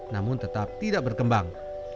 namun tetap tidak berkembang